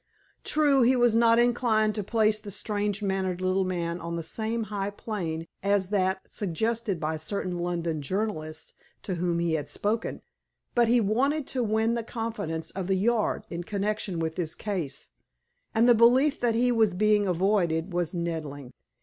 True, he was not inclined to place the strange mannered little man on the same high plane as that suggested by certain London journalists to whom he had spoken. But he wanted to win the confidence of "the Yard" in connection with this case, and the belief that he was being avoided was nettling.